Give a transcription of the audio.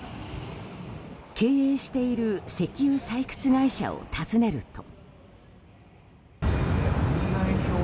経営している石油採掘会社を訪ねると。